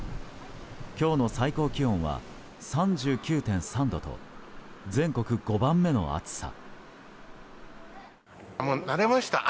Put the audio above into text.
今日の最高気温は３９．３度と全国５番目の暑さ。